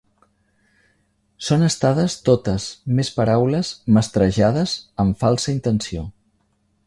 Són estades totes mes paraules mestrejades amb falsa intenció.